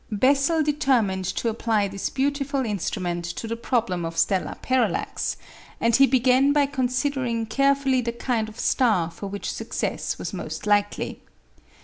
[Illustration: FIG. 92. Heliometer.] Bessel determined to apply this beautiful instrument to the problem of stellar parallax; and he began by considering carefully the kind of star for which success was most likely.